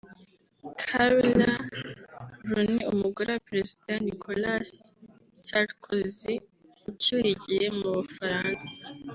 Carla Bruni umugore wa Perezida Nicholas Sarkozy ucyuye igihe mu Bufaransa